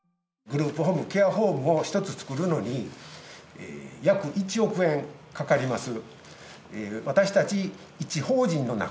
グループホームケアホームを１つ作るのに約１億円かかります。